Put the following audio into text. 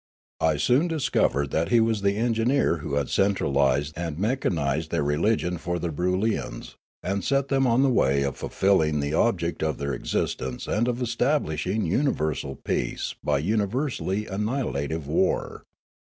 I soon discovered that he was the en gineer who had centralised and mechanised their re ligion for the Broolyians, and set them on the waj' of fulfilling the object of their existence and of establishing universal peace by universally annihilative war.